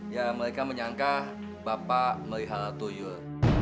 ya mereka menyangka bapak melihara tuyul